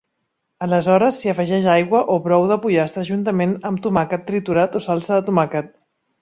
Aleshores s'hi afegeix aigua o brou de pollastre juntament amb tomàquet triturat o salsa de tomàquet.